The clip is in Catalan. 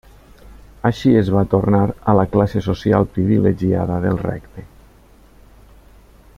Així es va tornar a la classe social privilegiada del regne.